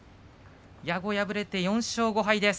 矢後は敗れて４勝５敗です。